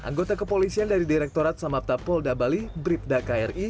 anggota kepolisian dari direktorat samapta polda bali bribda kri